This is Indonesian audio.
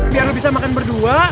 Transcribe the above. biar bisa makan berdua